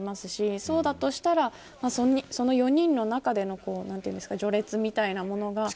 そうだとしたらその４人の中での序列みたいなものが。